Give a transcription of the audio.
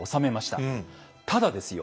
ただですよ